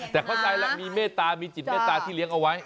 แต่เข้าใจแล้วมีเมตตามีจิตเมตตาที่เลี้ยงเอาไว้